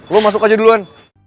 lo masuk aja duluan